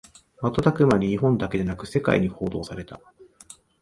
瞬く間に日本だけでなく世界に報道された